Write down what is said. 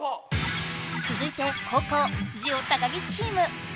つづいて後攻ジオ高岸チーム！